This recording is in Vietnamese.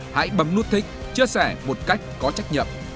hãy bấm nút thích chia sẻ một cách có trách nhiệm